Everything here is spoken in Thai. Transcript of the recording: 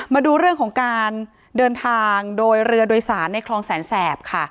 มาดูเรื่องของการเดินทางโดยเรือโดยสารในคลองแสนแสบค่ะ